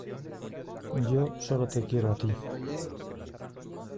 yo solo te quiero a ti.